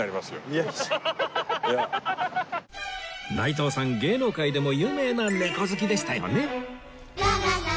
内藤さん芸能界でも有名な猫好きでしたよね